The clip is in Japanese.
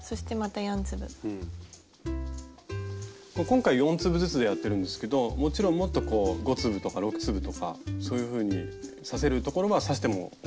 今回４粒ずつでやってるんですけどもちろんもっと５粒とか６粒とかそういうふうに刺せるところは刺してもＯＫなんです。